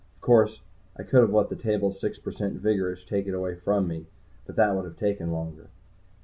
Of course, I could have let the table's six per cent vigorish take it away from me, but that would have taken longer.